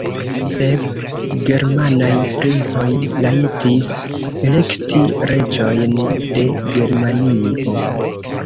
Sep germanaj princoj rajtis elekti reĝojn de Germanio.